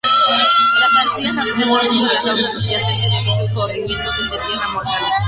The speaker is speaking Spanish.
Las arcillas rápidas han sido la causa subyacente de muchos corrimientos de tierra mortales.